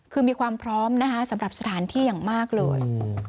คือมีความพร้อมนะคะสำหรับสถานที่อย่างมากเลย